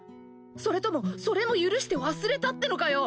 それともそれも許して忘れたってのかよ。